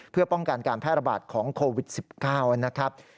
เพื่อป้องกันการแพร่ระบาดของโควิด๑๙นะครับ